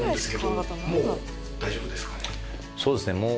そうですねもう。